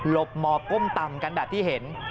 ลบมอก้มตำกันดับที่เห็น